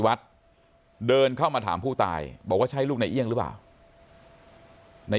วัดเดินเข้ามาถามผู้ตายบอกว่าใช่ลูกในเอี่ยงหรือเปล่าใน